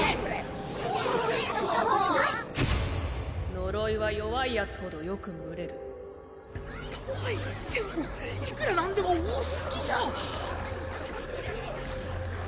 呪いは弱いヤツほどよく群とは言ってもいくらなんでも多すぎじゃ。